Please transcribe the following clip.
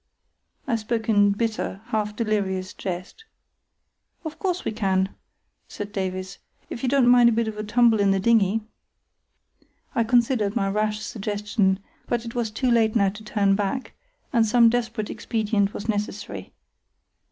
I spoke in bitter, half delirious jest. "Of course we can," said Davies, "if you don't mind a bit of a tumble in the dinghy." I reconsidered my rash suggestion, but it was too late now to turn back, and some desperate expedient was necessary.